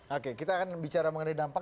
oke kita akan bicara mengenai dampak